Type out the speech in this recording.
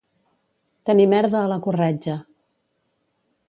Tenir merda a la corretja.